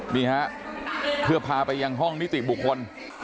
นี่ฮะเพื่อพาไปยังห้องนิติบุคคล